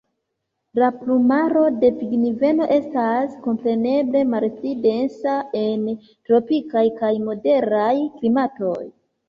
La plumaro de pingveno estas, kompreneble, malpli densa en tropikaj kaj moderaj klimatoj.